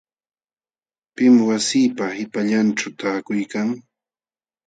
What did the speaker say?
¿Pim wasiipa qipallanćhu taakuykan.?